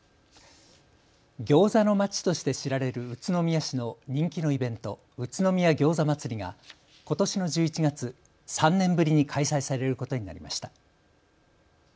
ギョーザの街として知られる宇都宮市の人気のイベント、宇都宮餃子祭りがことしの１１月、３年ぶりに開催されることになりました。